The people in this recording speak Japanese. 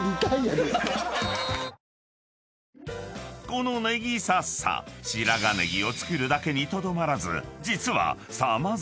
［このねぎサッサ白髪ネギを作るだけにとどまらず］